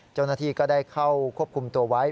เจ้าหน้าที่ก็ได้เข้าควบคุมตัวไว้